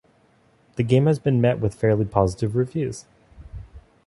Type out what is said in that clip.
The game has been met with fairly positive reviews.